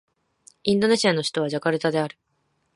インドネシアの首都はジャカルタである